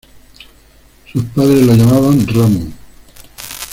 Sus padres lo llamaban "Ramu".